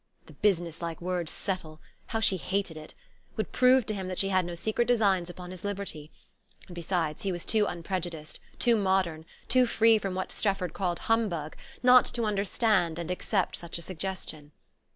The business like word "settle" (how she hated it) would prove to him that she had no secret designs upon his liberty; and besides he was too unprejudiced, too modern, too free from what Strefford called humbug, not to understand and accept such a suggestion.